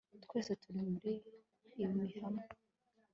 Twese turi muri ibi hamwe